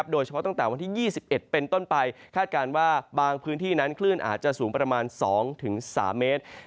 โดยเฉพาะตั้งแต่วันที่๒๑เป็นต้นไปคาดการณ์ว่าบางพื้นที่นั้นคลื่นอาจจะสูงประมาณ๒๓เมตร